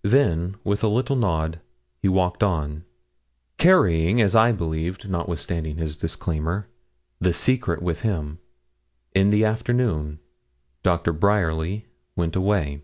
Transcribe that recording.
Then with a little nod he walked on, carrying, as I believed, notwithstanding his disclaimer, the secret with him. In the afternoon Doctor Bryerly went away.